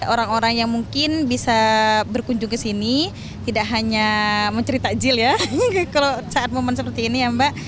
orang orang yang mungkin bisa berkunjung ke sini tidak hanya menceritajil ya kalau saat momen seperti ini ya mbak